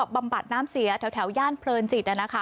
บำบัดน้ำเสียแถวย่านเพลินจิต